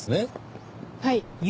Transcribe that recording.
はい。